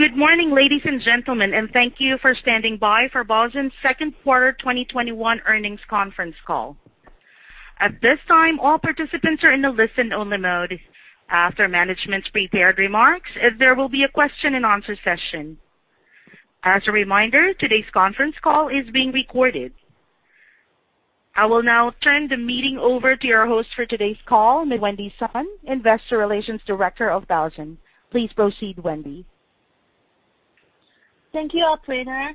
Good morning, ladies and gentlemen. Thank you for standing by for Baozun's second quarter 2021 earnings conference call. At this time, all participants are in a listen-only mode. After management's prepared remarks, there will be a question-and-answer session. As a reminder, today's conference call is being recorded. I will now turn the meeting over to your host for today's call, Ms. Wendy Sun, Investor Relations Director of Baozun. Please proceed, Wendy. Thank you, operator.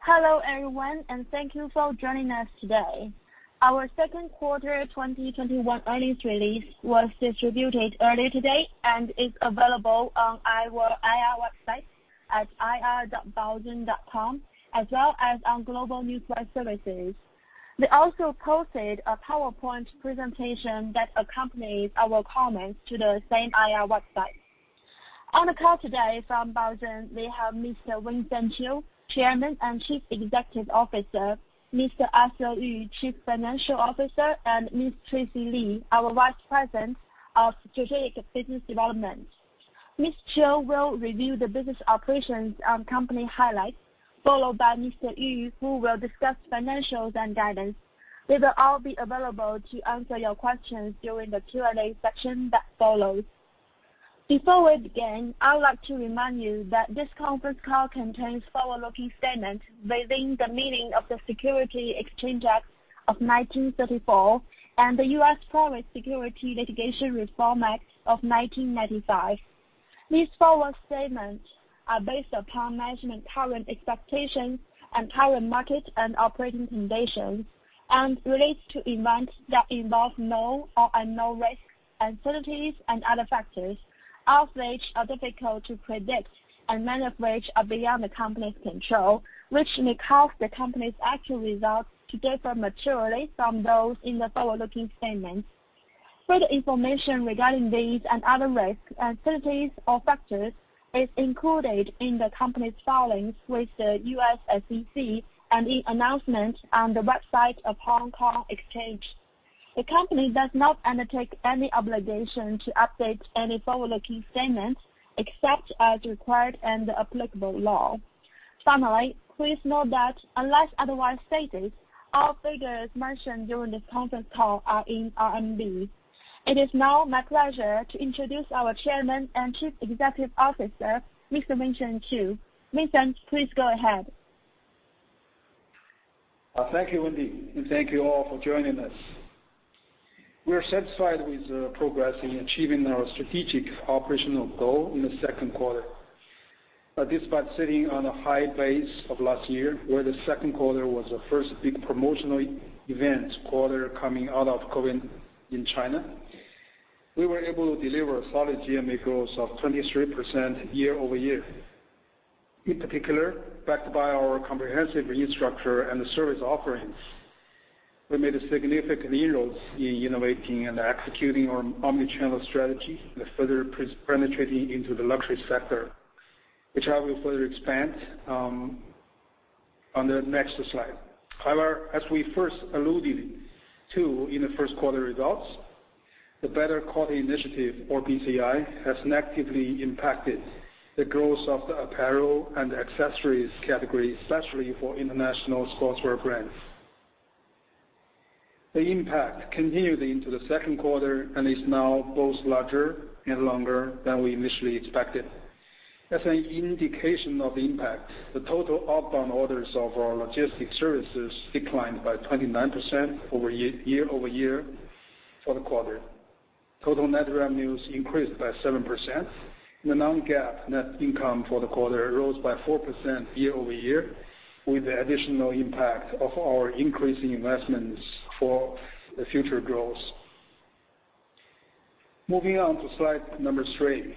Hello, everyone, and thank you for joining us today. Our second quarter 2021 earnings release was distributed earlier today and is available on our IR website at ir.baozun.com, as well as on global news wire services. We also posted a PowerPoint presentation that accompanies our comments to the same IR website. On the call today from Baozun, we have Mr. Vincent Qiu, Chairman and Chief Executive Officer, Mr. Arthur Yu, Chief Financial Officer, and Ms. Tracy Li, our Vice President of Strategic Business Development. Mr. Qiu will review the business operations and company highlights, followed by Mr. Yu, who will discuss financials and guidance. They will all be available to answer your questions during the Q&A section that follows. Before we begin, I would like to remind you that this conference call contains forward-looking statements within the meaning of the Securities Exchange Act of 1934 and the U.S. Private Securities Litigation Reform Act of 1995. These forward-looking statements are based upon management's current expectations and current market and operating conditions and relate to events that involve known or unknown risks, uncertainties, and other factors, all of which are difficult to predict and many of which are beyond the company's control, which may cause the company's actual results to differ materially from those in the forward-looking statements. Further information regarding these and other risks, uncertainties, or factors is included in the company's filings with the U.S. SEC and in announcements on the website of Hong Kong Exchange. The company does not undertake any obligation to update any forward-looking statements except as required and applicable law. Finally, please note that unless otherwise stated, all figures mentioned during this conference call are in RMB. It is now my pleasure to introduce our Chairman and Chief Executive Officer, Mr. Vincent Qiu. Vincent, please go ahead. Thank you, Wendy, and thank you all for joining us. We are satisfied with the progress in achieving our strategic operational goal in the second quarter. Despite sitting on a high base of last year, where the second quarter was the first big promotional event quarter coming out of COVID in China, we were able to deliver a solid GMV growth of 23% year-over-year. In particular, backed by our comprehensive restructure and the service offerings, we made significant inroads in innovating and executing our omni-channel strategy and further penetrating into the luxury sector, which I will further expand on the next slide. As we first alluded to in the first quarter results, the Better Cotton Initiative, or BCI, has negatively impacted the growth of the apparel and accessories category, especially for international sportswear brands. The impact continued into the second quarter and is now both larger and longer than we initially expected. As an indication of the impact, the total outbound orders of our logistic services declined by 29% year-over-year for the quarter. Total net revenues increased by 7%. The non-GAAP net income for the quarter rose by 4% year-over-year, with the additional impact of our increasing investments for the future growth. Moving on to slide number three.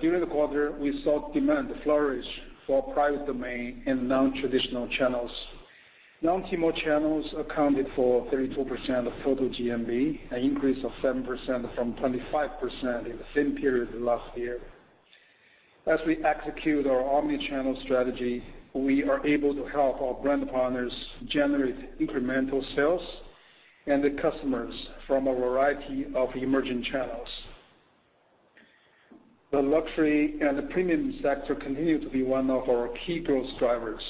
During the quarter, we saw demand flourish for our private domain in non-traditional channels. Non-Tmall channels accounted for 32% of total GMV, an increase of 7% from 25% in the same period last year. As we execute our omni-channel strategy, we are able to help our brand partners generate incremental sales and the customers from a variety of emerging channels. The luxury and the premium sector continue to be one of our key growth drivers,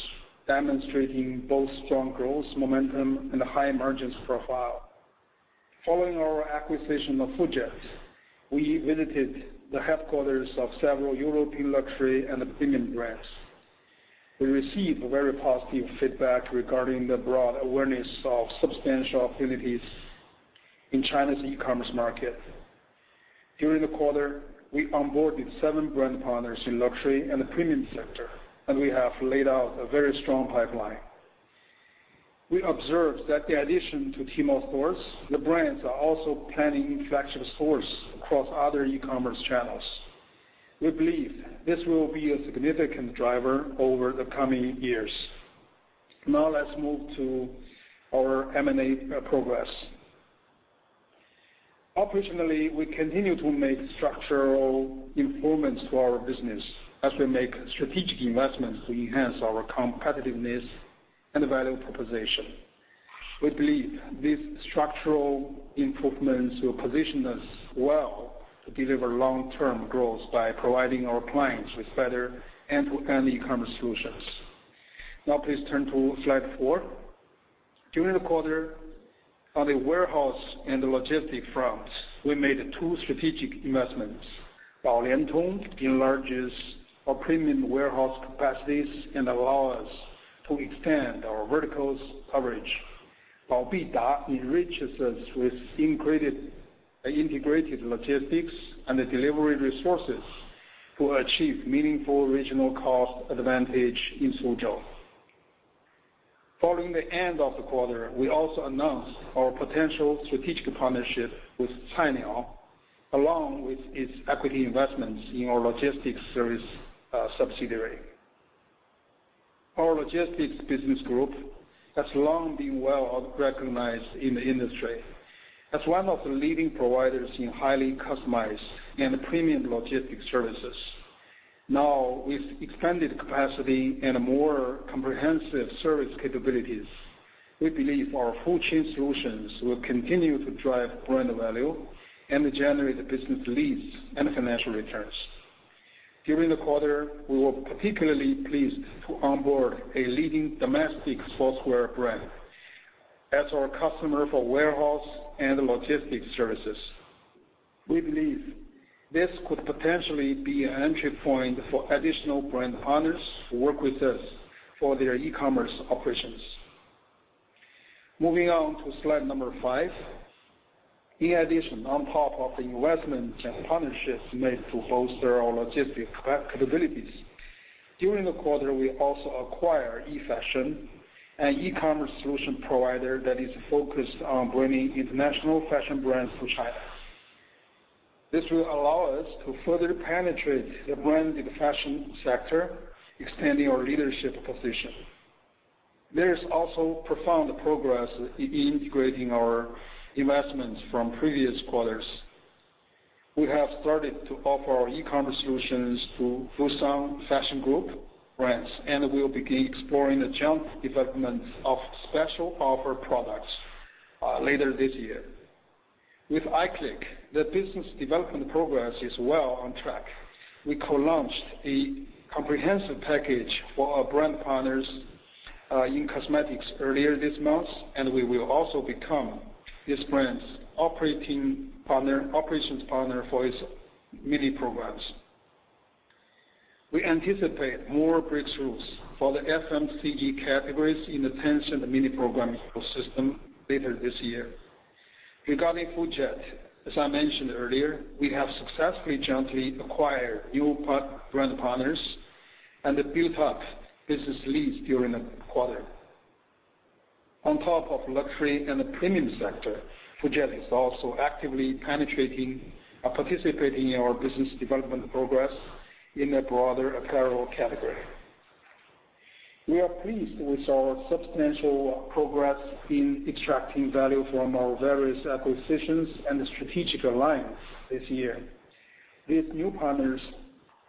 demonstrating both strong growth momentum and a high emergence profile. Following our acquisition of Full Jet, we visited the headquarters of several European luxury and premium brands. We received very positive feedback regarding the broad awareness of substantial opportunities in China's e-commerce market. During the quarter, we onboarded seven brand partners in luxury and the premium sector, and we have laid out a very strong pipeline. We observed that in addition to Tmall stores, the brands are also planning flagship stores across other e-commerce channels. We believe this will be a significant driver over the coming years. Let's move to our M&A progress. Operationally, we continue to make structural improvements to our business as we make strategic investments to enhance our competitiveness and value proposition. We believe these structural improvements will position us well to deliver long-term growth by providing our clients with better end-to-end e-commerce solutions. Now please turn to slide four. During the quarter, on the warehouse and the logistic fronts, we made two strategic investments. Baoliantong enlarges our premium warehouse capacities and allow us to extend our verticals coverage. Baobida enriches us with integrated logistics and the delivery resources to achieve meaningful regional cost advantage in Suzhou. Following the end of the quarter, we also announced our potential strategic partnership with Cainiao, along with its equity investments in our logistics service subsidiary. Our logistics business group has long been well recognized in the industry as one of the leading providers in highly customized and premium logistics services. Now with expanded capacity and more comprehensive service capabilities, we believe our full chain solutions will continue to drive brand value and generate business leads and financial returns. During the quarter, we were particularly pleased to onboard a leading domestic sportswear brand as our customer for warehouse and logistics services. We believe this could potentially be an entry point for additional brand partners who work with us for their e-commerce operations. Moving on to slide number five. In addition, on top of the investment and partnerships made to bolster our logistics capabilities, during the quarter, we also acquired eFashion, an e-commerce solution provider that is focused on bringing international fashion brands to China. This will allow us to further penetrate the brand and fashion sector, extending our leadership position. There is also profound progress in integrating our investments from previous quarters. We have started to offer our e-commerce solutions to Fosun Fashion Group brands, and we'll begin exploring the joint development of special offer products later this year. With iClick, the business development progress is well on track. We co-launched a comprehensive package for our brand partners in cosmetics earlier this month, and we will also become this brand's operations partner for its mini programs. We anticipate more breakthroughs for the FMCG categories in the Tencent Mini Programs ecosystem later this year. Regarding Full Jet, as I mentioned earlier, we have successfully jointly acquired new brand partners and built up business leads during the quarter. On top of luxury and the premium sector, Full Jet is also actively participating in our business development progress in the broader apparel category. We are pleased with our substantial progress in extracting value from our various acquisitions and the strategic alliance this year. These new partners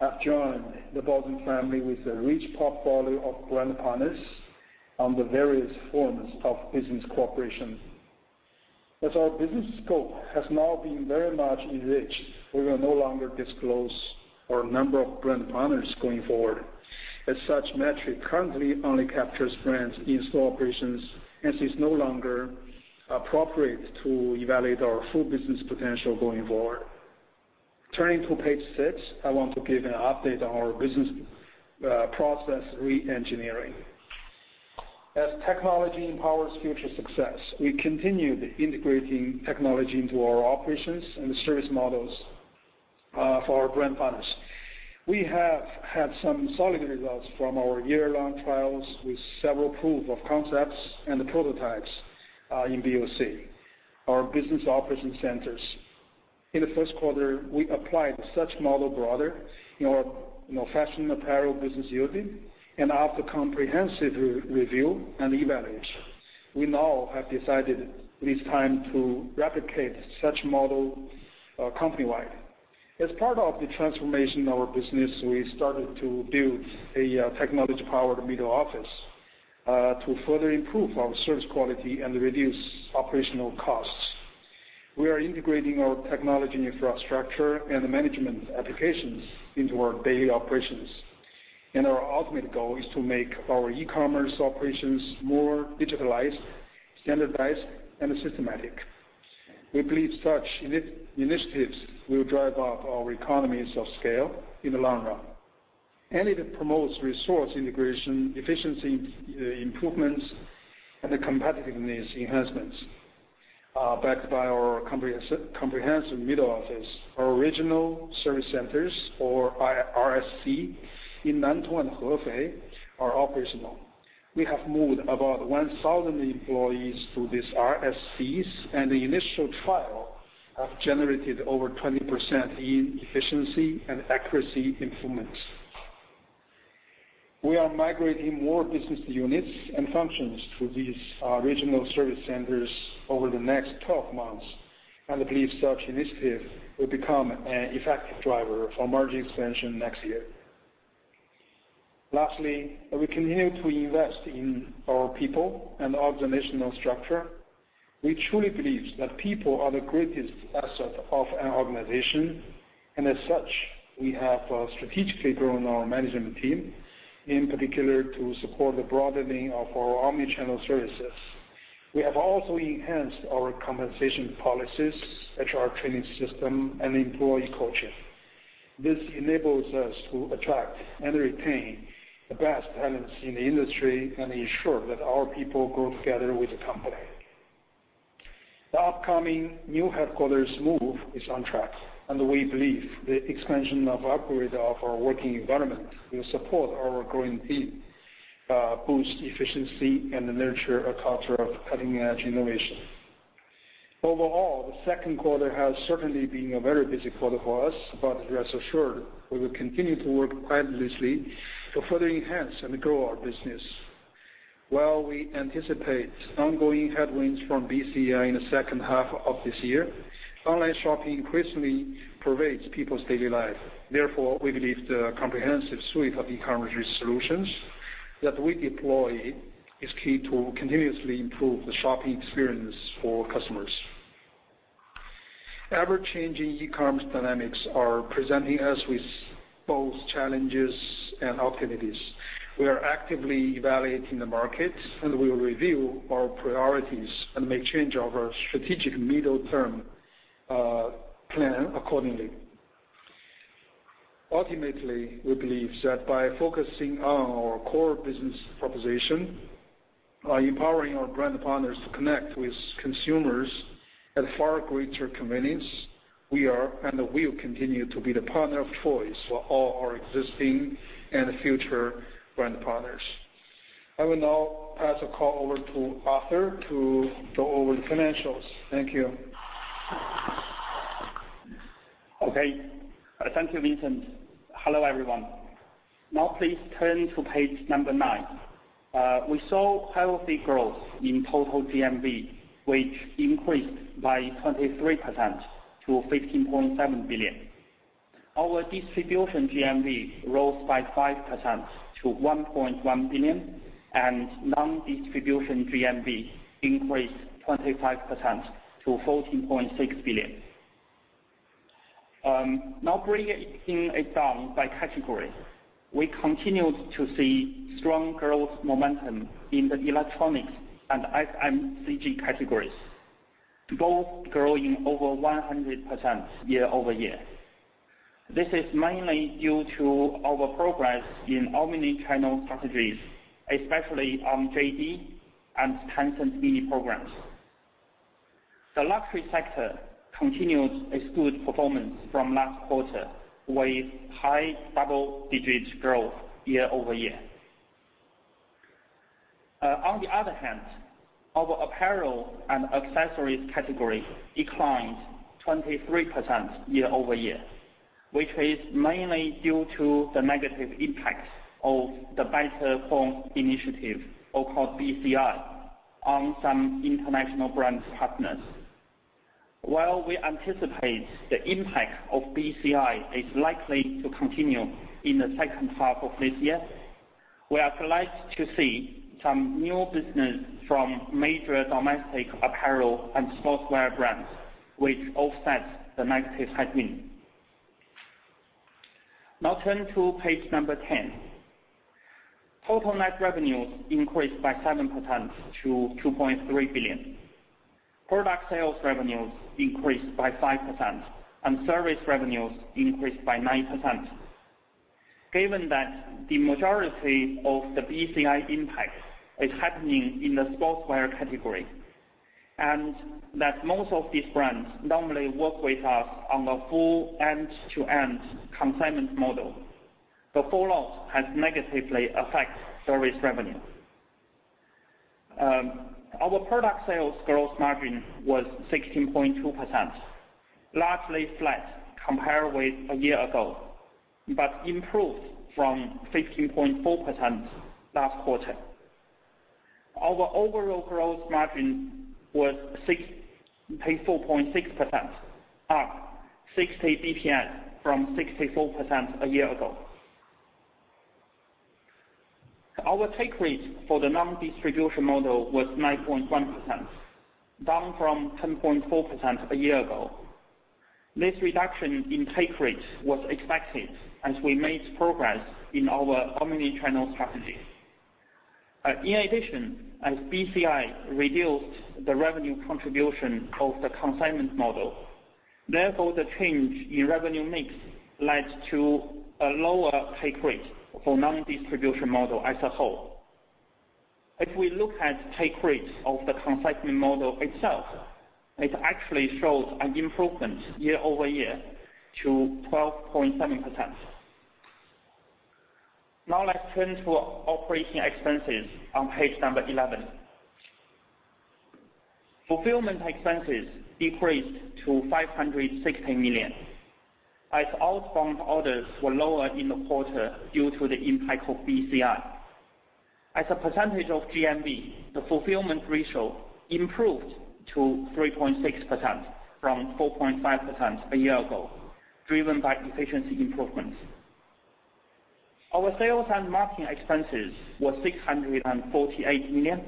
have joined the Baozun family with a rich portfolio of brand partners on the various forms of business cooperation. As our business scope has now been very much enriched, we will no longer disclose our number of brand partners going forward. As such metric currently only captures brands in store operations and is no longer appropriate to evaluate our full business potential going forward. Turning to page six, I want to give an update on our business process re-engineering. As technology empowers future success, we continue integrating technology into our operations and service models for our brand partners. We have had some solid results from our year-long trials with several proof of concepts and prototypes in BOC, our business operation centers. In the first quarter, we applied such model broader in our fashion apparel business unit, and after comprehensive review and evaluation, we now have decided it is time to replicate such model company-wide. As part of the transformation of our business, we started to build a technology-powered middle office, to further improve our service quality and reduce operational costs. We are integrating our technology infrastructure and management applications into our daily operations, and our ultimate goal is to make our e-commerce operations more digitalized, standardized, and systematic. We believe such initiatives will drive up our economies of scale in the long run, and it promotes resource integration, efficiency improvements, and competitiveness enhancements. Backed by our comprehensive middle office, our regional service centers or RSC in Nantong and Hefei are operational. We have moved about 1,000 employees to these RSCs, and the initial trial have generated over 20% in efficiency and accuracy improvements. We are migrating more business units and functions to these regional service centers over the next 12 months. Believe such initiative will become an effective driver for margin expansion next year. Lastly, we continue to invest in our people and organizational structure. We truly believe that people are the greatest asset of an organization. As such, we have strategically grown our management team, in particular to support the broadening of our omni-channel services. We have also enhanced our compensation policies, HR training system, and employee coaching. This enables us to attract and retain the best talents in the industry and ensure that our people grow together with the company. The upcoming new headquarters move is on track, and we believe the expansion and upgrade of our working environment will support our growing team, boost efficiency, and nurture a culture of cutting-edge innovation. Overall, the second quarter has certainly been a very busy quarter for us, but rest assured, we will continue to work tirelessly to further enhance and grow our business. While we anticipate ongoing headwinds from BCI in the second half of this year, online shopping increasingly pervades people's daily lives. Therefore, we believe the comprehensive suite of e-commerce solutions that we deploy is key to continuously improve the shopping experience for customers. Ever-changing e-commerce dynamics are presenting us with both challenges and opportunities. We are actively evaluating the market, and we will review our priorities and make changes of our strategic middle-term plan accordingly. Ultimately, we believe that by focusing on our core business proposition, by empowering our brand partners to connect with consumers at far greater convenience, we are and will continue to be the partner of choice for all our existing and future brand partners. I will now pass the call over to Arthur to go over the financials. Thank you. Thank you, Vincent. Hello, everyone. Please turn to page number nine. We saw healthy growth in total GMV, which increased by 23% to 15.7 billion. Our distribution GMV rose by 5% to 1.1 billion, non-distribution GMV increased 25% to 14.6 billion. Breaking it down by category. We continued to see strong growth momentum in the electronics and FMCG categories, both growing over 100% year-over-year. This is mainly due to our progress in omni-channel strategies, especially on JD and Tencent Mini Programs. The luxury sector continued its good performance from last quarter with high double-digit growth year-over-year. On the other hand, our apparel and accessories category declined 23% year-over-year, which is mainly due to the negative impact of the Better Cotton Initiative, or called BCI, on some international brand partners. While we anticipate the impact of BCI is likely to continue in the second half of this year, we are delighted to see some new business from major domestic apparel and sportswear brands, which offsets the negative headwind. Now turn to page 10. Total net revenues increased by 7% to 2.3 billion. Product sales revenues increased by 5%, service revenues increased by 9%. Given that the majority of the BCI impact is happening in the sportswear category, and that most of these brands normally work with us on the full end-to-end consignment model, the fallout has negatively affected service revenue. Our product sales growth margin was 16.2%, largely flat compared with a year ago, but improved from 15.4% last quarter. Our overall growth margin was 24.6%, up 60 basis points from 24% a year ago. Our take rate for the non-distribution model was 9.1%, down from 10.4% a year ago. This reduction in take rate was expected as we made progress in our omni-channel strategies. As BCI reduced the revenue contribution of the consignment model, therefore, the change in revenue mix led to a lower take rate for non-distribution model as a whole. If we look at take rates of the consignment model itself, it actually shows an improvement year-over-year to 12.7%. Let's turn to operating expenses on page number 11. Fulfillment expenses decreased to 560 million, as outbound orders were lower in the quarter due to the impact of BCI. As a percentage of GMV, the fulfillment ratio improved to 3.6% from 4.5% a year ago, driven by efficiency improvements. Our sales and marketing expenses were 648 million,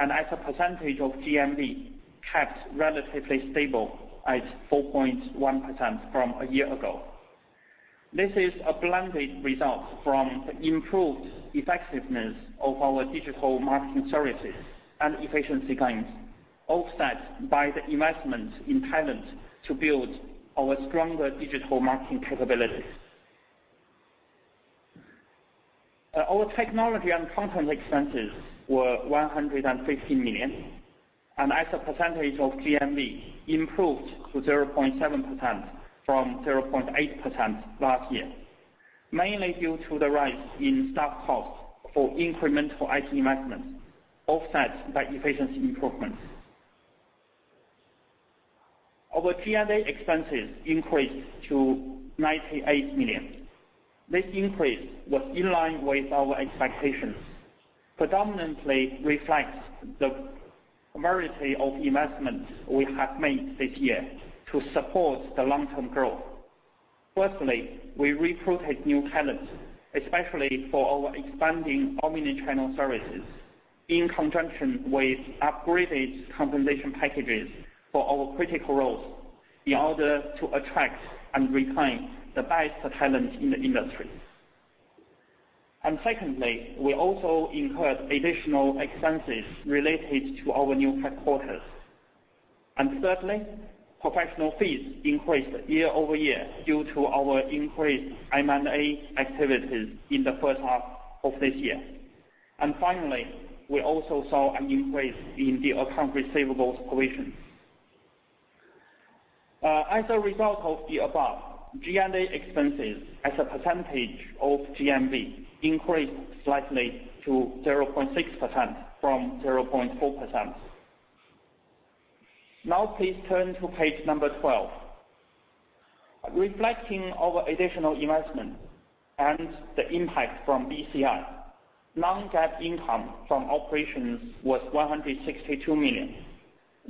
and as a percentage of GMV, kept relatively stable at 4.1% from a year ago. This is a blended result from the improved effectiveness of our digital marketing services and efficiency gains, offset by the investment in talent to build our stronger digital marketing capabilities. Our technology and content expenses were 115 million, and as a percentage of GMV, improved to 0.7% from 0.8% last year, mainly due to the rise in staff costs for incremental IT investments, offset by efficiency improvements. Our G&A expenses increased to 98 million. This increase was in line with our expectations, predominantly reflects the majority of investments we have made this year to support the long-term growth. Firstly, we recruited new talents, especially for our expanding omni-channel services, in conjunction with upgraded compensation packages for our critical roles in order to attract and retain the best talent in the industry. Secondly, we also incurred additional expenses related to our new headquarters. Thirdly, professional fees increased year-over-year due to our increased M&A activities in the first half of this year. Finally, we also saw an increase in the account receivables provisions. As a result of the above, G&A expenses as a percentage of GMV increased slightly to 0.6% from 0.4%. Now please turn to page 12. Reflecting our additional investment and the impact from BCI, non-GAAP income from operations was 162 million,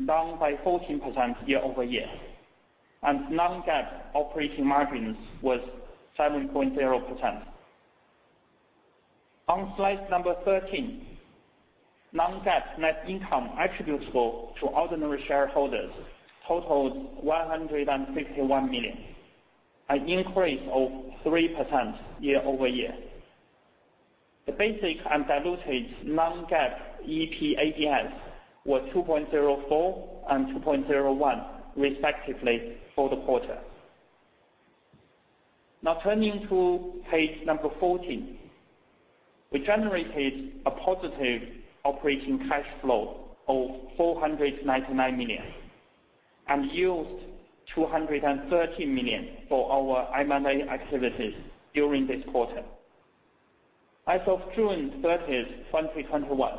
down by 14% year-over-year, and non-GAAP operating margins was 7.0%. On slide number 13, non-GAAP net income attributable to ordinary shareholders totaled 161 million, an increase of 3% year-over-year. The basic and diluted non-GAAP EPADS were 2.04 and 2.01, respectively, for the quarter. Turning to page number 14. We generated a positive operating cash flow of 499 million and used 230 million for our M&A activities during this quarter. As of June 30th, 2021,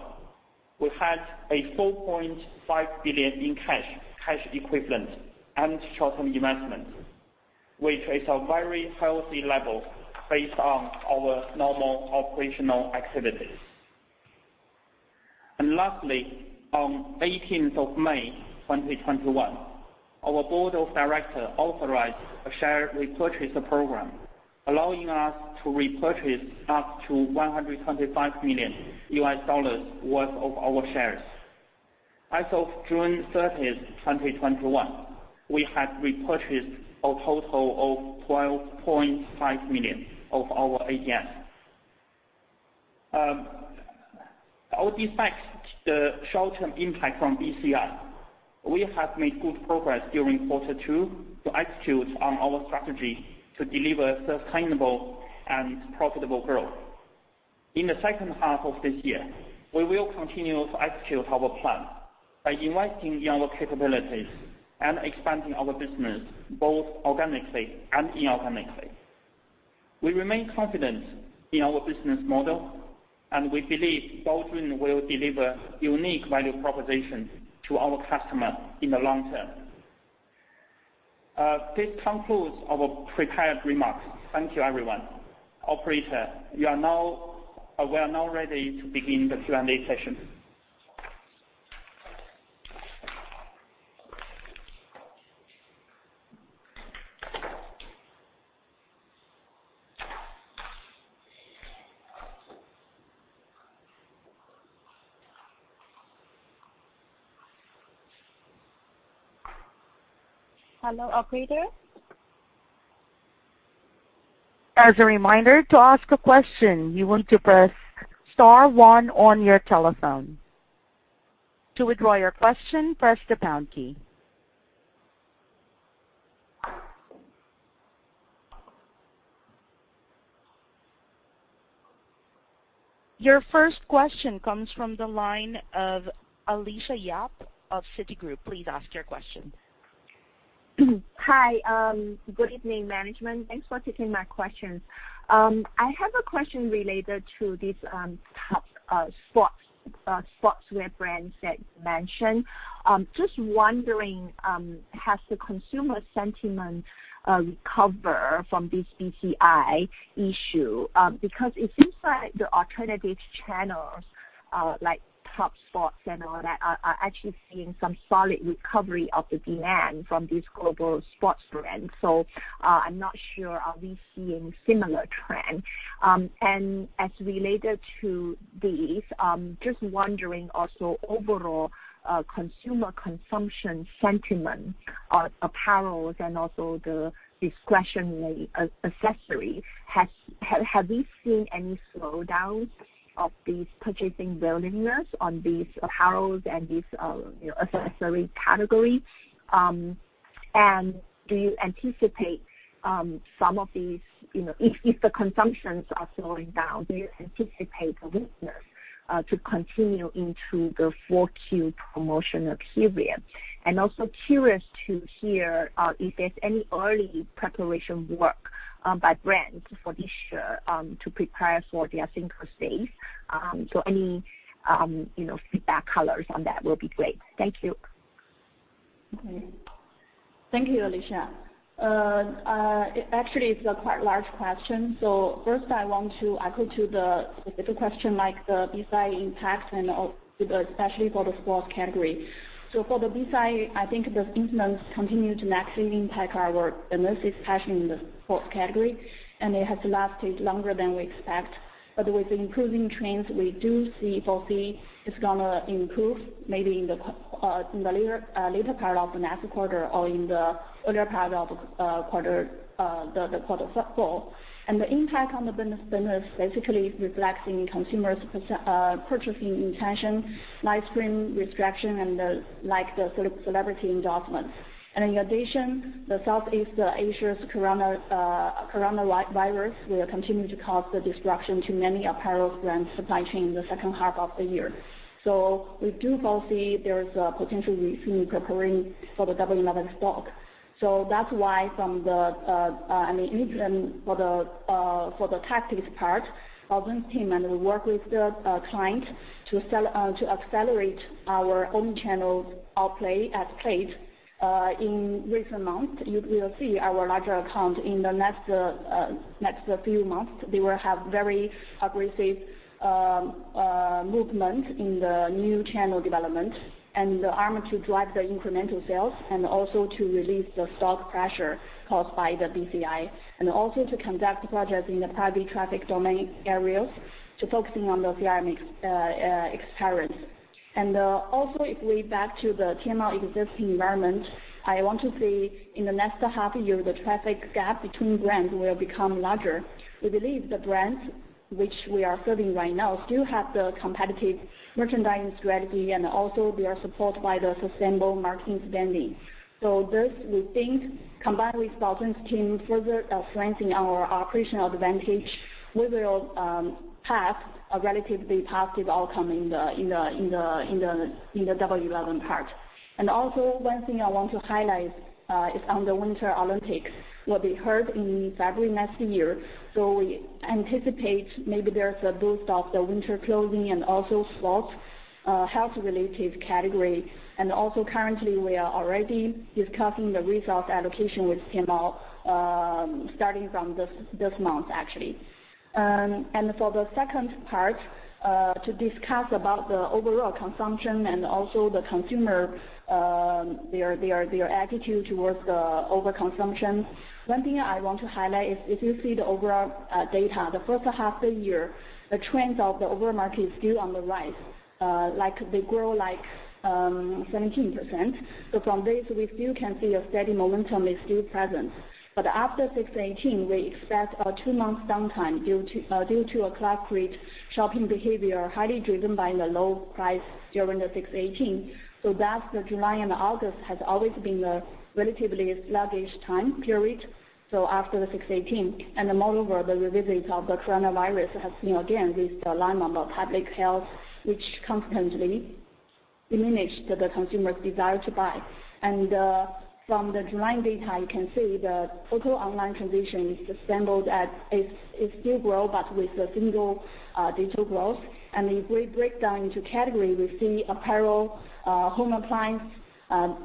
we had 4.5 billion in cash equivalent, and short-term investments, which is a very healthy level based on our normal operational activities. Lastly, on 18th of May 2021, our board of directors authorized a share repurchase program, allowing us to repurchase up to $125 million worth of our shares. As of June 30th, 2021, we had repurchased a total of 12.5 million of our ADS. Despite the short-term impact from BCI, we have made good progress during Q2 to execute on our strategy to deliver sustainable and profitable growth. In the second half of this year, we will continue to execute our plan by investing in our capabilities and expanding our business both organically and inorganically. We remain confident in our business model, and we believe Baozun will deliver unique value proposition to our customer in the long term. This concludes our prepared remarks. Thank you, everyone. Operator, we are now ready to begin the Q&A session. Hello, operator? Your first question comes from the line of Alicia Yap of Citigroup. Please ask your question. Hi, good evening, management. Thanks for taking my questions. I have a question related to these top sports wear brands that you mentioned. Has the consumer sentiment recovered from this BCI issue? It seems like the alternative channels, like Topsports and all that, are actually seeing some solid recovery of the demand from these global sports brands. I'm not sure, are we seeing similar trend? As related to these, also overall consumer consumption sentiment, apparels and also the discretionary accessory. Have we seen any slowdowns of these purchasing willingness on these apparels and these accessory categories? If the consumptions are slowing down, do you anticipate a weakness to continue into the 4Q promotional period? Also curious to hear if there's any early preparation work by brands for this year, to prepare for their sync phase. Any feedback colors on that will be great. Thank you. Okay. Thank you, Alicia. Actually, it's a quite large question. First I want to echo to the specific question, like the BCI impact and especially for the sports category. For the BCI, I think the incidents continue to negatively impact our work, and this is especially in the sports category, and it has lasted longer than we expect. With the improving trends, we do foresee it's going to improve maybe in the later part of the next quarter or in the earlier part of the quarter four. The impact on the business then is basically reflecting consumers' purchasing intention, live streaming restriction, and the celebrity endorsements. In addition, the Southeast Asia's coronavirus will continue to cause the disruption to many apparel brand supply chain in the second half of the year. We do foresee there's a potential we see preparing for the Double 11 stock. That's why from the incident for the tactics part, Baozun team and we work with the client to accelerate our own channel at play. In recent months, you will see our larger account in the next few months. They will have very aggressive movement in the new channel development and the armor to drive the incremental sales, and also to release the stock pressure caused by the BCI, and also to conduct projects in the private traffic domain areas to focusing on the CRM experience. If we back to the Tmall existing environment, I want to say in the next half year, the traffic gap between brands will become larger. We believe the brands which we are serving right now still have the competitive merchandising strategy, they are supported by the sustainable marketing spending. This, we think, combined with Baozun's team further strengthening our operational advantage, we will have a relatively positive outcome in the Double 11 part. One thing I want to highlight is on the Winter Olympics will be held in February next year. We anticipate maybe there's a boost of the winter clothing and also sports health-related category. Currently, we are already discussing the resource allocation with Tmall, starting from this month, actually. For the second part, to discuss about the overall consumption and also the consumer, their attitude towards the overconsumption. One thing I want to highlight is if you see the overall data, the first half of the year, the trends of the overall market is still on the rise. Like they grow like 17%. From this, we still can see a steady momentum is still present. After 618, we expect a two-month downtime due to a concrete shopping behavior, highly driven by the low price during the 618. That's the July and August has always been the relatively sluggish time period. After the 618, and moreover, the revisit of the coronavirus has again raised alarm on the public health, which constantly diminished the consumer's desire to buy. From the July data, you can see the total online transaction is still grow, but with a single-digit growth. If we break down into category, we see apparel, home appliance, and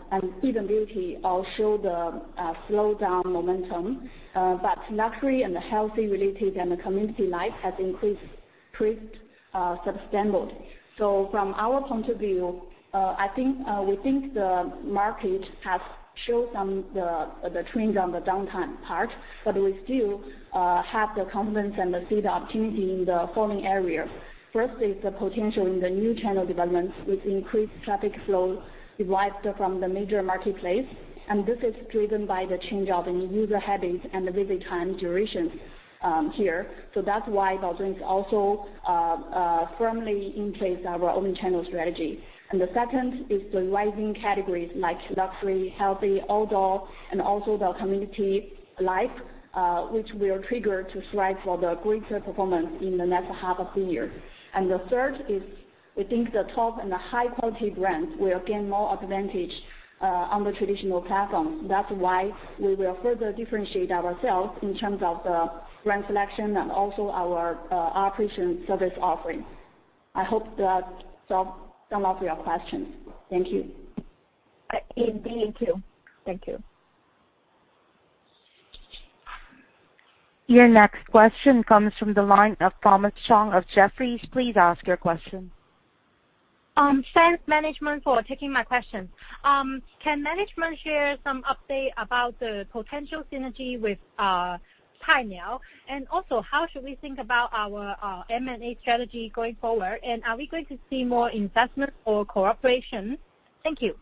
even beauty all show the slowdown momentum. Luxury and the healthy-related and the community life has increased substantially. From our point of view, we think the market has showed some of the trends on the downtime part, but we still have the confidence and see the opportunity in the following area. First is the potential in the new channel development with increased traffic flow derived from the major marketplace. This is driven by the change of the user habits and the visit time duration here. That's why Baozun is also firmly in place our own channel strategy. The second is the rising categories like luxury, healthy, outdoor, and also the community life, which will trigger to thrive for the greater performance in the next half of the year. The third is. We think the top and the high-quality brands will gain more advantage on the traditional platform. That's why we will further differentiate ourselves in terms of the brand selection and also our operation service offering. I hope that solved some of your questions. Thank you. Indeed, thank you. Your next question comes from the line of Thomas Chong of Jefferies. Please ask your question. Thanks, management, for taking my question. Can management share some update about the potential synergy with Cainiao? How should we think about our M&A strategy going forward? Are we going to see more investment or cooperation? Thank you.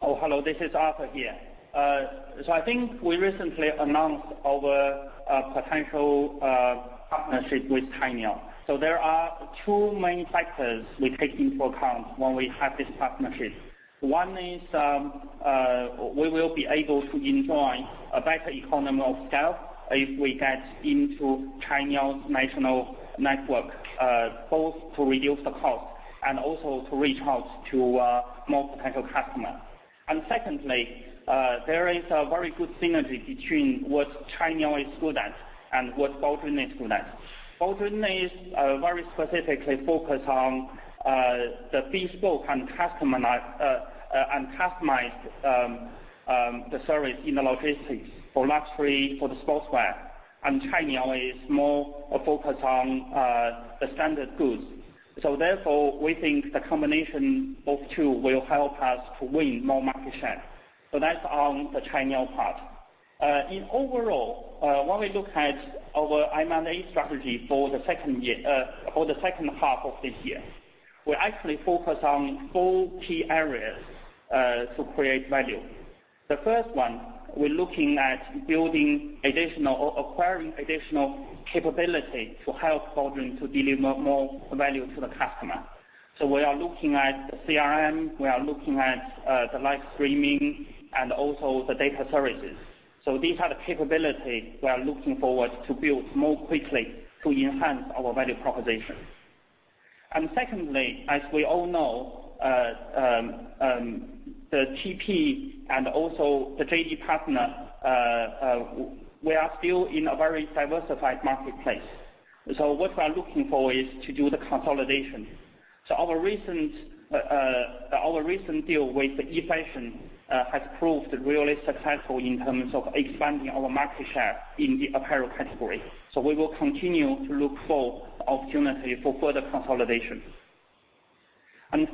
Hello, this is Arthur here. I think we recently announced our potential partnership with Cainiao. There are two main factors we take into account when we have this partnership. One is, we will be able to enjoy a better economy of scale if we get into Cainiao's national network, both to reduce the cost and also to reach out to more potential customers. Secondly, there is a very good synergy between what Cainiao is good at and what Baozun is good at. Baozun is very specifically focused on the bespoke and customized service in the logistics for luxury, for the sportswear, and Cainiao is more focused on the standard goods. Therefore, we think the combination of two will help us to win more market share. That's on the Cainiao part. Overall, when we look at our M&A strategy for the second half of this year, we're actually focused on four key areas to create value. The first one, we're looking at acquiring additional capability to help Baozun to deliver more value to the customer. We are looking at CRM, we are looking at the live streaming, and also the data services. These are the capabilities we are looking forward to build more quickly to enhance our value propositions. Secondly, as we all know, the TP and also the JD partner, we are still in a very diversified marketplace. What we are looking for is to do the consolidation. Our recent deal with the eFashion has proved really successful in terms of expanding our market share in the apparel category. We will continue to look for opportunity for further consolidation.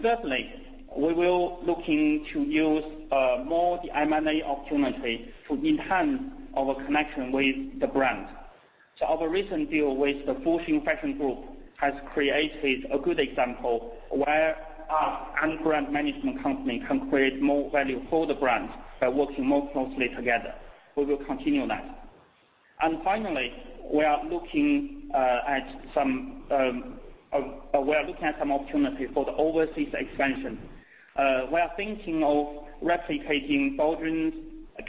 Thirdly, we will looking to use more the M&A opportunity to enhance our connection with the brand. Our recent deal with the Fosun Fashion Group has created a good example where us and brand management company can create more value for the brand by working more closely together. We will continue that. Finally, we are looking at some opportunities for the overseas expansion. We are thinking of replicating Baozun's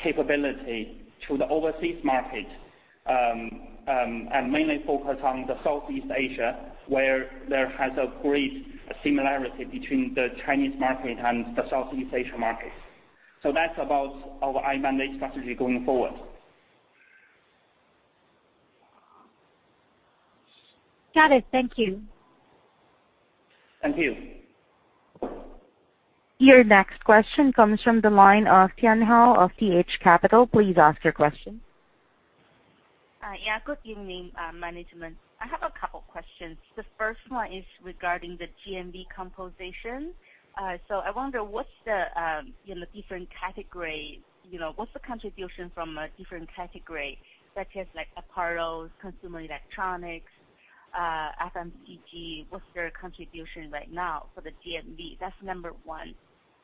capability to the overseas market, and mainly focus on the Southeast Asia, where there has a great similarity between the Chinese market and the Southeast Asia market. That's about our M&A strategy going forward. Got it. Thank you. Thank you. Your next question comes from the line of Tian Hou of TH Capital. Please ask your question. Good evening, management. I have a couple questions. The first one is regarding the GMV composition. I wonder, in the different category, what's the contribution from different category, such as like apparels, consumer electronics, FMCG? What's their contribution right now for the GMV? That's number one.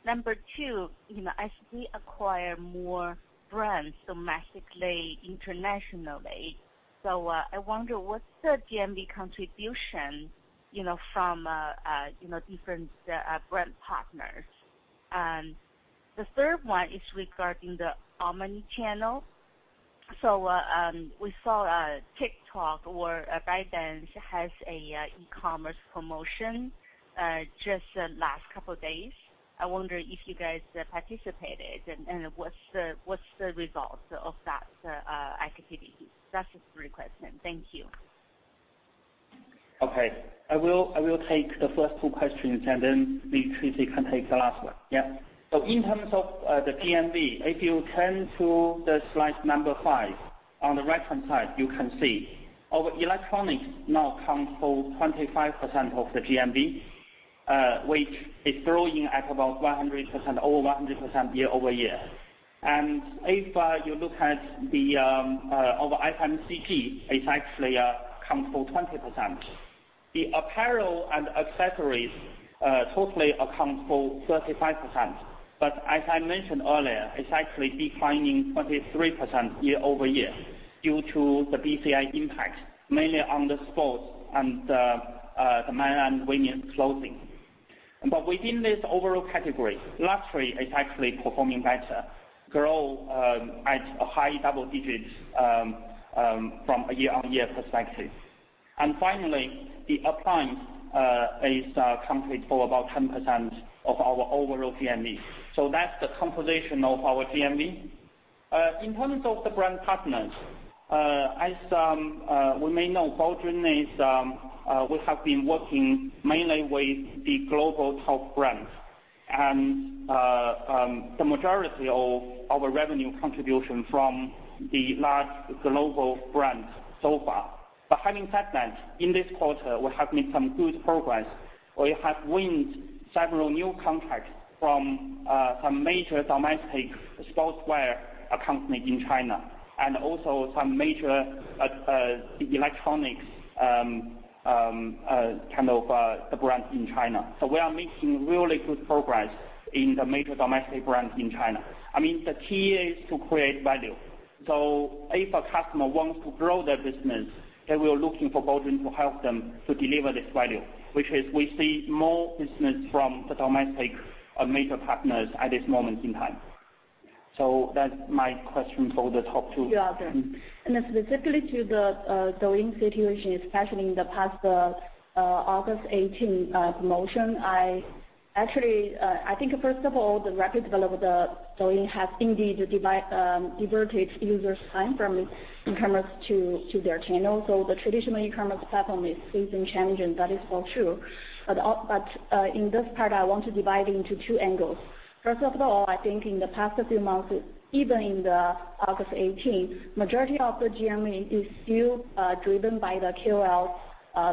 Number two, as we acquire more brands domestically, internationally, I wonder, what's the GMV contribution from different brand partners? The third one is regarding the omni-channel. We saw TikTok or ByteDance has an e-commerce promotion just the last couple days. I wonder if you guys participated, and what's the result of that activity? That's the three question. Thank you. Okay. I will take the first two questions, and then Li can take the last one. Yeah. In terms of the GMV, if you turn to the slide number five, on the right-hand side, you can see our electronics now account for 25% of the GMV, which is growing at about over 100% year-over-year. If you look at our FMCG, it actually account for 20%. The apparel and accessories totally account for 35%. As I mentioned earlier, it's actually declining 23% year-over-year due to the BCI impact, mainly on the sports and the mainland women clothing. Within this overall category, luxury is actually performing better, growing at high double digits from a year-on-year perspective. Finally, the appliance accounts for about 10% of our overall GMV. That's the composition of our GMV. In terms of the brand partners, as we may know, Baozun has been working mainly with the global top brands, and the majority of our revenue contribution from the large global brands so far. Having said that, in this quarter, we have made some good progress. We have won several new contracts from some major domestic sportswear companies in China, and also some major electronics brands in China. We are making really good progress in the major domestic brands in China. The key is to create value. If a customer wants to grow their business, they will look for Baozun to help them to deliver this value, which is, we see more business from the domestic major partners at this moment in time. That's my answer for the top two. Yeah. Specifically to the Douyin situation, especially in the past August 18 promotion, actually, I think, first of all, the rapid development of Douyin has indeed diverted user time from e-commerce to their channel. The traditional e-commerce platform is facing challenges, and that is all true. In this part, I want to divide into two angles. First of all, I think in the past few months, even in the August 18, the majority of the GMV is still driven by the KOL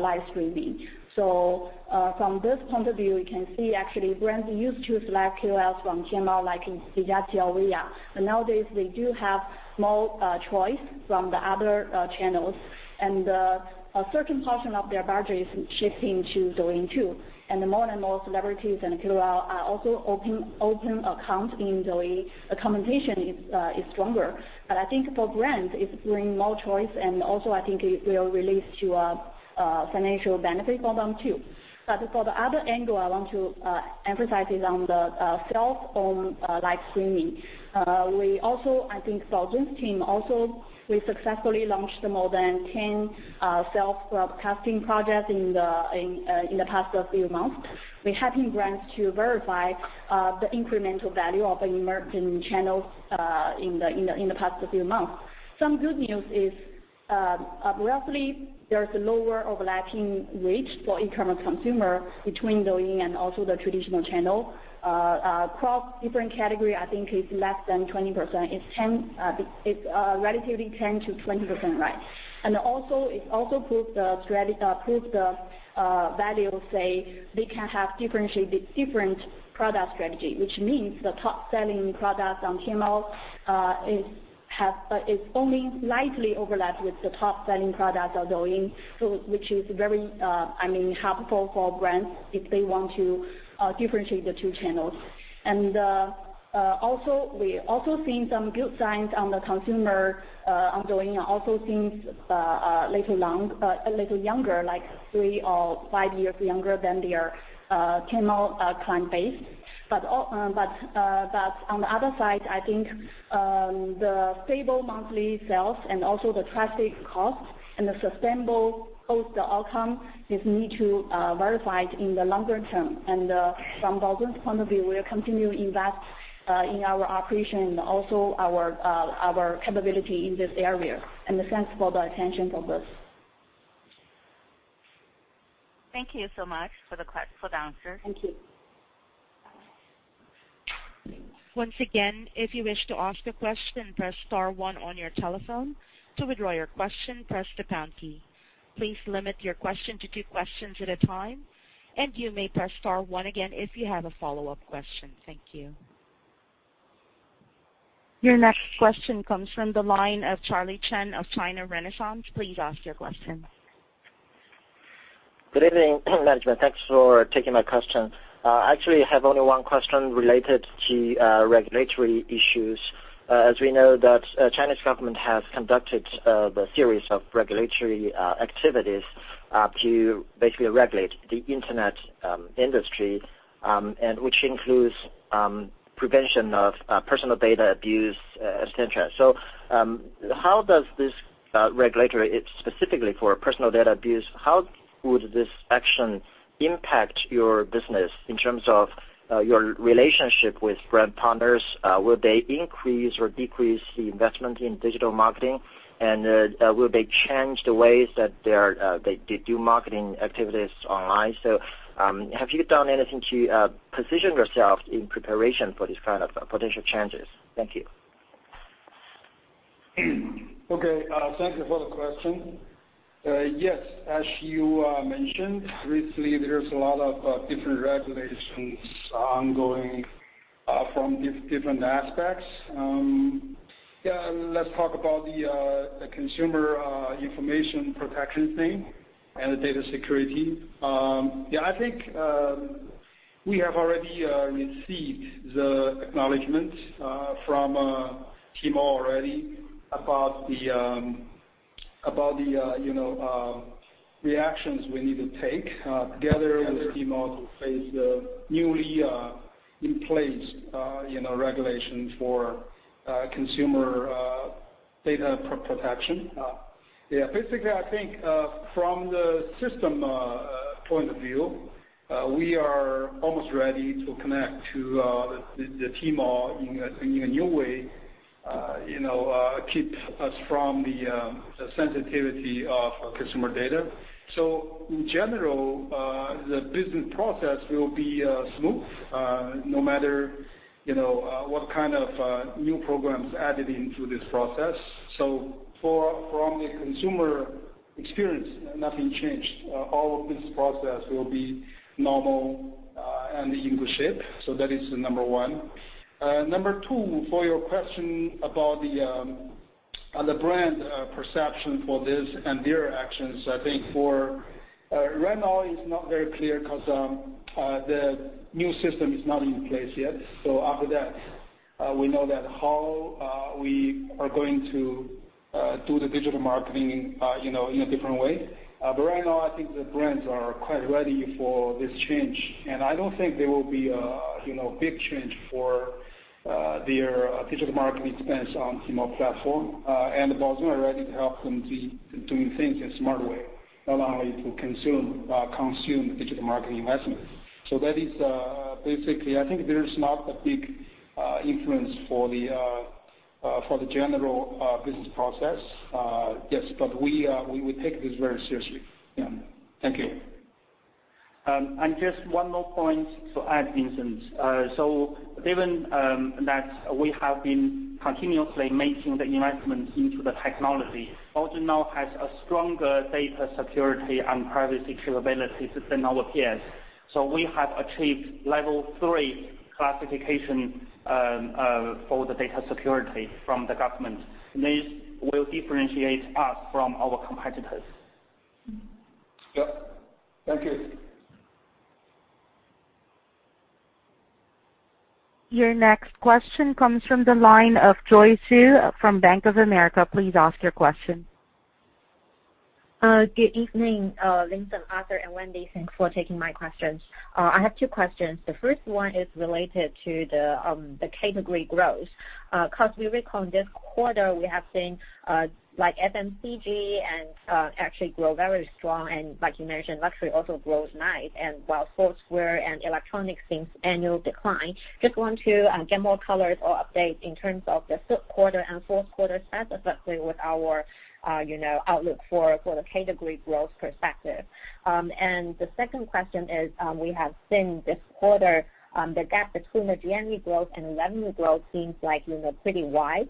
live streaming. From this point of view, we can see actually brands used to select KOLs from Tmall, but nowadays they do have more choice from the other channels, and a certain portion of their budget is shifting to Douyin, too. More and more celebrities and KOL are also opening accounts in Douyin. The competition is stronger, I think for brands, it brings more choice, and also I think it will release to a financial benefit for them, too. For the other angle, I want to emphasize is on the self-owned live streaming. I think Baozun's team also successfully launched more than 10 self-broadcasting projects in the past few months. We're helping brands to verify the incremental value of an emerging channel in the past few months. Some good news is, roughly, there is a lower overlapping reach for e-commerce consumer between Douyin and also the traditional channel. Across different categories, I think it's less than 20%. It's relatively 10%-20%, right. It also proves the value, say, they can have different product strategy, which means the top-selling product on Tmall only lightly overlaps with the top-selling product on Douyin, which is very helpful for brands if they want to differentiate the two channels. We also see some good signs on the consumer on Douyin, also seems a little younger, like three or five years younger than their Tmall client base. On the other side, I think the stable monthly sales and also the traffic costs and the sustainable outcome need to be verified in the longer term. From Baozun's point of view, we'll continue to invest in our operation and also our capability in this area. Thanks for the attention for this. Thank you so much for the answer. Thank you. Your next question comes from the line of Charlie Chen of China Renaissance. Please ask your question. Good evening, management. Thanks for taking my question. Actually, I have only one question related to regulatory issues. As we know that Chinese government has conducted the series of regulatory activities to basically regulate the internet industry, which includes prevention of personal data abuse, et cetera. How does this regulatory, specifically for personal data abuse, how would this action impact your business in terms of your relationship with brand partners? Will they increase or decrease the investment in digital marketing? Will they change the ways that they do marketing activities online? Have you done anything to position yourself in preparation for these kind of potential changes? Thank you. Okay. Thank you for the question. Yes, as you mentioned, recently, there is a lot of different regulations ongoing from different aspects. Let's talk about the consumer information protection thing and the data security. I think we have already received the acknowledgment from Tmall already about the reactions we need to take, together with Tmall, to face the newly in place regulations for consumer data protection. Basically, I think from the system point of view, we are almost ready to connect to Tmall in a new way, keep us from the sensitivity of customer data. In general, the business process will be smooth, no matter what kind of new programs added into this process. From the consumer experience, nothing changed. All of this process will be normal and in good shape. That is the number one. Number two, for your question about the brand perception for this and their actions, I think right now it's not very clear because the new system is not in place yet. After that, we know that how we are going to do the digital marketing in a different way. Right now, I think the brands are quite ready for this change, and I don't think there will be a big change for their digital marketing expense on Tmall platform. Baozun are ready to help them do things in a smarter way, allowing to consume digital marketing investments. That is basically, I think there's not a big influence for the general business process. Yes, but we take this very seriously. Yeah. Thank you. Just one more point to add, Vincent. Given that we have been continuously making the investments into the technology, Baozun now has a stronger data security and privacy capability than our peers. We have achieved Level 3 classification for the data security from the government, and this will differentiate us from our competitors. Yep. Thank you. Your next question comes from the line of Joyce Ju from Bank of America. Please ask your question. Good evening, Vincent, Arthur, and Wendy. Thanks for taking my questions. I have two questions. The first one is related to the category growth, because we recall this quarter, we have seen FMCG actually grow very strong, and like you mentioned, luxury also grows nice. While sportswear and electronic things annual decline. Just want to get more colors or updates in terms of the third quarter and fourth quarter stats, especially with our outlook for the category growth perspective. The second question is, we have seen this quarter, the gap between the GMV growth and revenue growth seems pretty wide.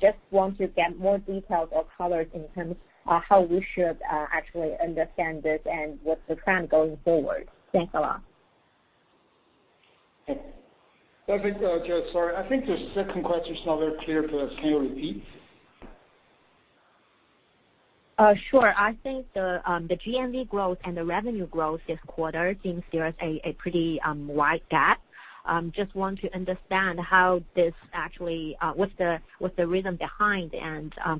Just want to get more details or colors in terms how we should actually understand this and what's the trend going forward. Thanks a lot. I think, Joyce, sorry. I think the second question is not very clear to us. Can you repeat? Sure. I think the GMV growth and the revenue growth this quarter seems there is a pretty wide gap. I just want to understand what's the reason behind.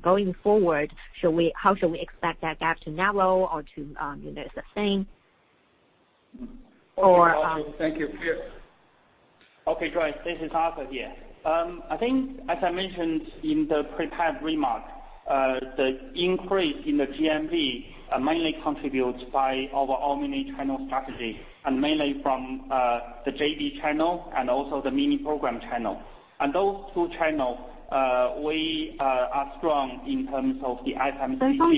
Going forward, how should we expect that gap to narrow or to stay the same? Thank you. Okay, Joyce, this is Arthur here. I think, as I mentioned in the prepared remarks, the increase in the GMV mainly contributes by our omni-channel strategy, mainly from the JD channel and also the mini program channel. Those two channels, we are strong in terms of the FMCG and-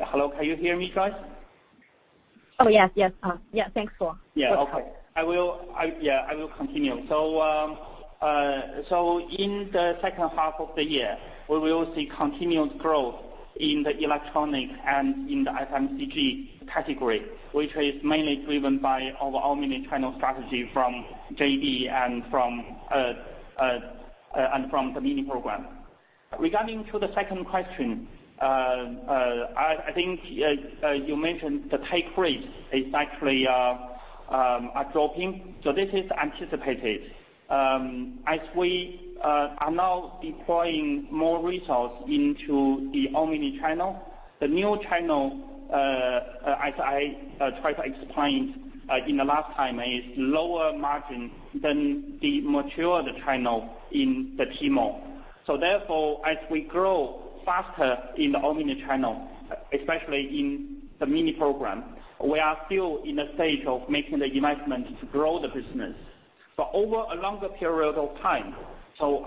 Hello, can you hear me, Joyce? Oh, yes. Yeah, okay. I will continue. In the second half of the year, we will see continued growth in the electronic and in the FMCG category, which is mainly driven by our omni-channel strategy from JD and from the mini program. Regarding to the second question, I think you mentioned the take rate is actually dropping. This is anticipated. As we are now deploying more resource into the omni-channel, the new channel, as I tried to explain in the last time, is lower margin than the matured channel in the Tmall. Therefore, as we grow faster in the omni-channel, especially in the mini program, we are still in a stage of making the investment to grow the business, but over a longer period of time.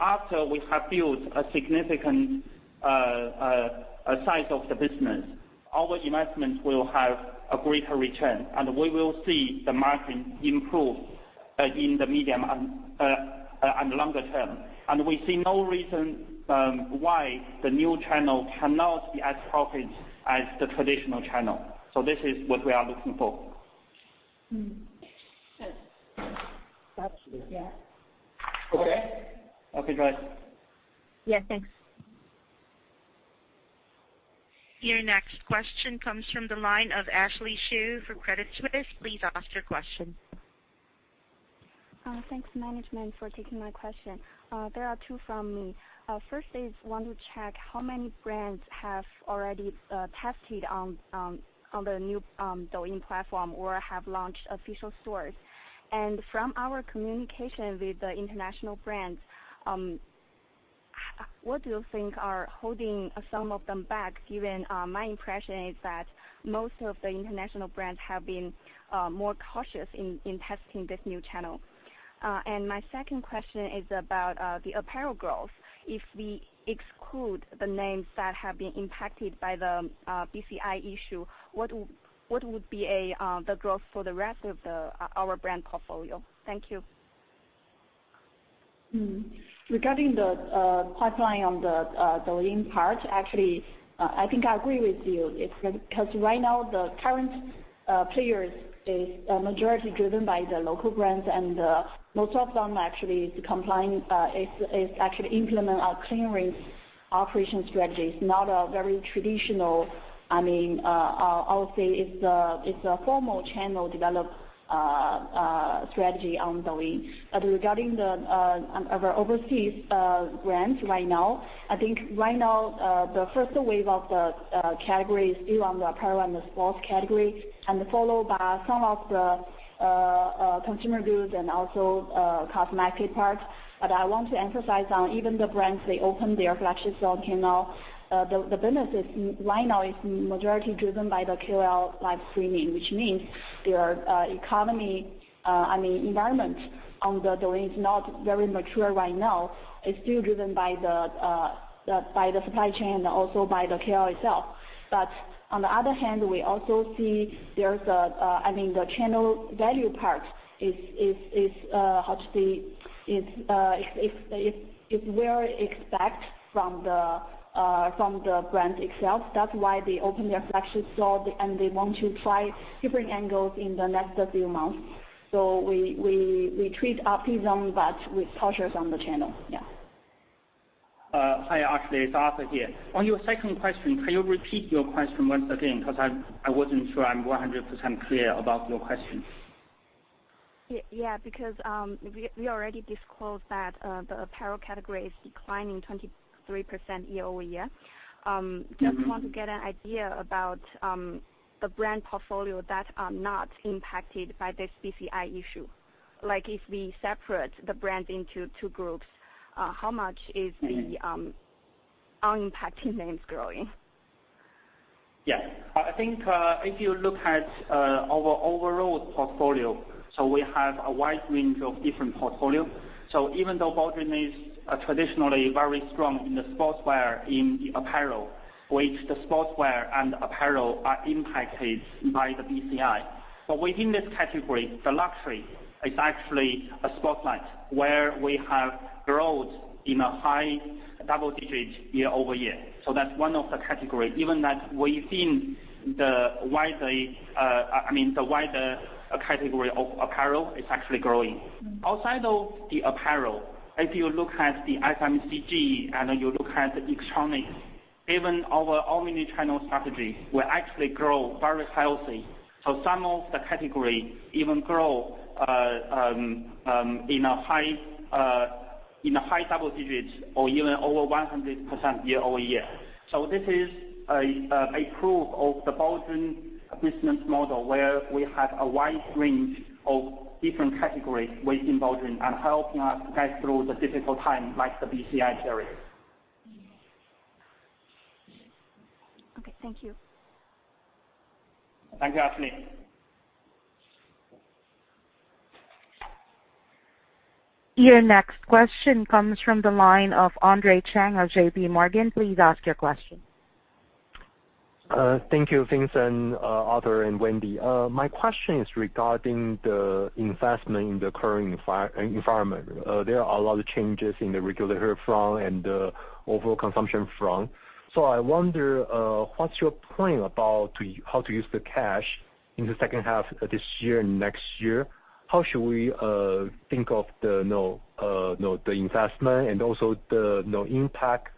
After we have built a significant size of the business, our investments will have a greater return, and we will see the margin improve in the medium and longer term. We see no reason why the new channel cannot be as profitable as the traditional channel. This is what we are looking for. Yeah. Okay? Okay, bye. Yeah, thanks. Your next question comes from the line of Ashley Xu from Credit Suisse. Please ask your question. Thanks, management, for taking my question. There are two from me. First, I want to check how many brands have already tested on the new Douyin platform or have launched official stores. From our communication with the international brands, what do you think are holding some of them back, given my impression is that most of the international brands have been more cautious in testing this new channel. My second question is about the apparel growth. If we exclude the names that have been impacted by the BCI issue, what would be the growth for the rest of our brand portfolio? Thank you. Regarding the pipeline on the Douyin part, actually, I think I agree with you. It's because right now the current players is majority driven by the local brands, and most of them actually implement a clean operation strategy. It's not a very traditional, I would say it's a formal channel develop strategy on Douyin. Regarding our overseas brands right now, I think right now, the first wave of the category is still on the apparel and the sports category, and followed by some of the consumer goods and also cosmetic parts. I want to emphasize on even the brands, they open their flagship store channel. The business right now is majority driven by the KOL live streaming, which means their economy, I mean, environment on the Douyin is not very mature right now. It's still driven by the supply chain and also by the KOL itself. On the other hand, we also see there's the channel value part is, how to say, very expected from the brand itself. That's why they open their flagship store, and they want to try different angles in the next few months. We treat optimism, but with caution on the channel. Yeah. Hi, Ashley. It's Arthur here. On your second question, can you repeat your question once again? I wasn't sure I'm 100% clear about your question. Yeah, we already disclosed that the apparel category is declining 23% year-over-year. Just want to get an idea about the brand portfolio that are not impacted by this BCI issue. Like if we separate the brands into two groups, how much is the unimpacted names growing? Yeah. I think if you look at our overall portfolio, we have a wide range of different portfolio. Even though Baozun is traditionally very strong in the sportswear, in the apparel, which the sportswear and apparel are impacted by the BCI. Within this category, the luxury is actually a spotlight where we have growth in a high double-digit year-over-year. That's one of the category, even that within the wider category of apparel, it's actually growing. Outside of the apparel, if you look at the FMCG and you look at electronics, even our omni-channel strategy will actually grow very healthy. Some of the category even grow in a high double digits or even over 100% year-over-year. This is a proof of the Baozun business model, where we have a wide range of different categories within Baozun and helping us get through the difficult time, like the BCI crisis. Okay. Thank you. Thank you, Ashley. Your next question comes from the line of Andre Chang of JPMorgan. Please ask your question. Thank you, Vincent, Arthur, and Wendy. My question is regarding the investment in the current environment. There are a lot of changes in the regulatory front and the overall consumption front. I wonder, what's your plan about how to use the cash in the second half of this year and next year? How should we think of the investment and also the impact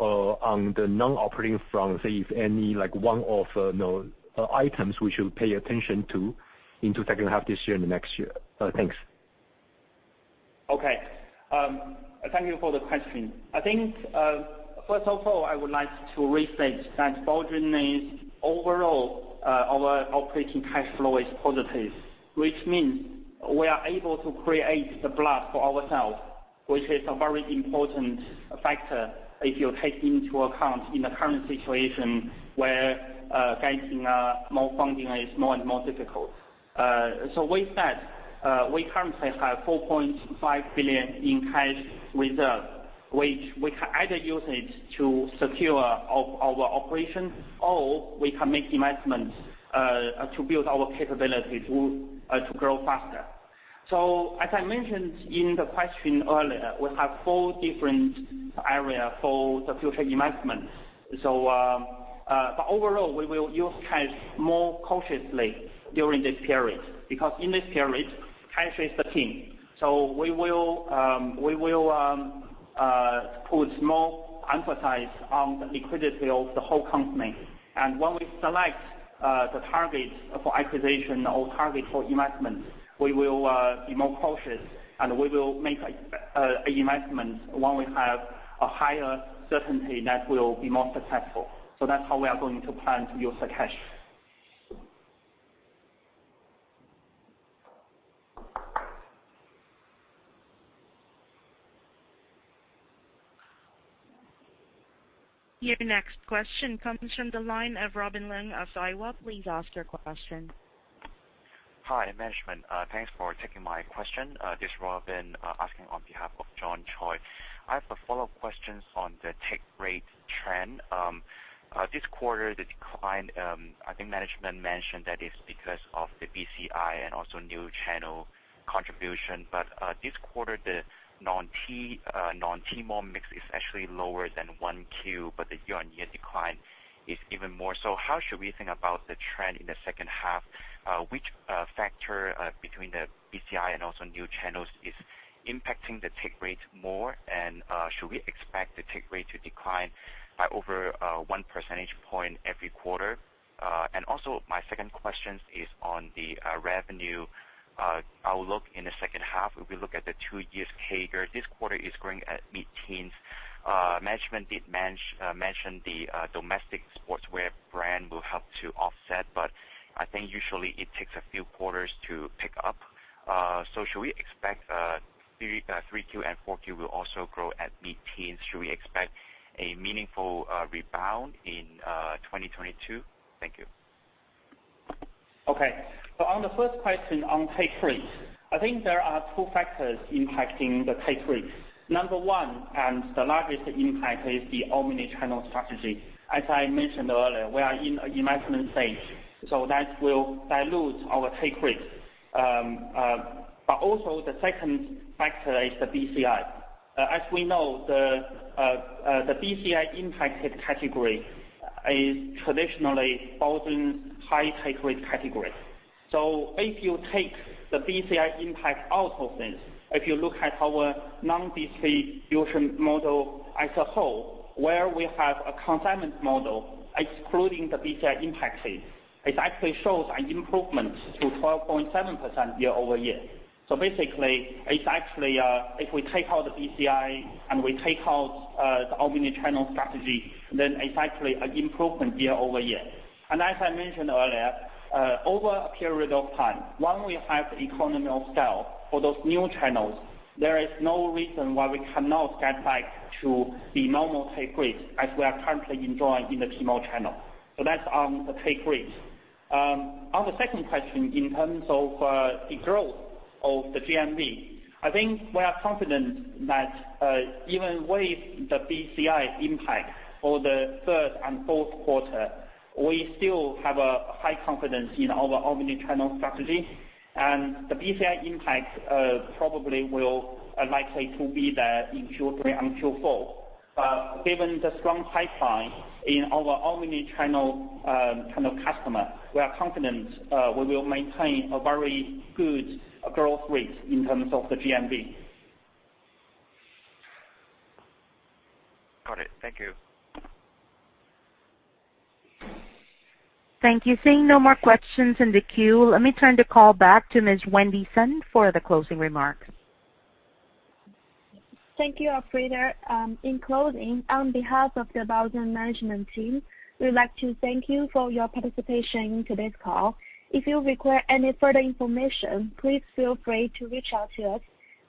on the non-operating front, say, if any, like one of items we should pay attention to in the second half this year and the next year? Thanks. Okay. Thank you for the question. I think, first of all, I would like to restate that Baozun is overall, our operating cash flow is positive, which means we are able to create the blood for ourselves, which is a very important factor if you take into account in the current situation where getting more funding is more and more difficult. With that, we currently have 4.5 billion in cash reserve, which we can either use it to secure our operation, or we can make investments to build our capability to grow faster. As I mentioned in the question earlier, we have four different areas for the future investment. Overall, we will use cash more cautiously during this period, because in this period, cash is the king. We will put more emphasis on the liquidity of the whole company. When we select the target for acquisition or target for investment, we will be more cautious, and we will make an investment when we have a higher certainty that will be more successful. That's how we are going to plan to use the cash. Your next question comes from the line of Robin Leung of Daiwa. Please ask your question. Hi, management. Thanks for taking my question. This is Robin asking on behalf of John Choi. I have a follow-up question on the take rate trend. This quarter, the decline, I think management mentioned that it's because of the BCI and also new channel contribution. This quarter, the non-Tmall mix is actually lower than 1Q, but the year-on-year decline is even more. How should we think about the trend in the second half? Which factor between the BCI and also new channels is impacting the take rate more? Should we expect the take rate to decline by over 1 percentage point every quarter? Also, my second question is on the revenue outlook in the second half. If we look at the two years CAGR, this quarter is growing at mid-teens. Management did mention the domestic sportswear brand will help to offset, but I think usually it takes a few quarters to pick up. Should we expect 3Q and 4Q will also grow at mid-teens? Should we expect a meaningful rebound in 2022? Thank you. Okay. On the first question on take rate, I think there are two factors impacting the take rate. Number one, and the largest impact is the omni-channel strategy. As I mentioned earlier, we are in an investment phase, that will dilute our take rate. Also, the second factor is the BCI. As we know, the BCI impacted category is traditionally Baozun's high take rate category. If you take the BCI impact out of this, if you look at our non-BCI business model as a whole, where we have a consignment model, excluding the BCI impact fee, it actually shows an improvement to 12.7% year-over-year. Basically, if we take out the BCI and we take out the omni-channel strategy, then it's actually an improvement year-over-year. As I mentioned earlier, over a period of time, when we have economy of scale for those new channels, there is no reason why we cannot get back to the normal take rate as we are currently enjoying in the Tmall channel. That's on the take rate. On the second question, in terms of the growth of the GMV, I think we are confident that even with the BCI impact for the third and fourth quarter, we still have a high confidence in our omni-channel strategy. The BCI impact probably will likely to be there in Q3 and Q4. Given the strong pipeline in our omni-channel customer, we are confident we will maintain a very good growth rate in terms of the GMV. Got it. Thank you. Thank you. Seeing no more questions in the queue, let me turn the call back to Ms. Wendy Sun for the closing remarks. Thank you, operator. In closing, on behalf of the Baozun management team, we'd like to thank you for your participation in today's call. If you require any further information, please feel free to reach out to us.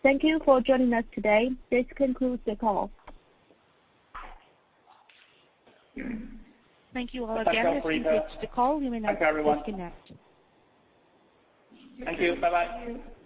Thank you for joining us today. This concludes the call. Thank you all again. This concludes the call. You may now disconnect. Thank you. Bye-bye. Thank you.